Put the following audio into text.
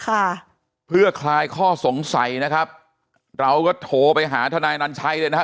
ค่ะเพื่อคลายข้อสงสัยนะครับเราก็โทรไปหาทนายนันชัยเลยนะฮะ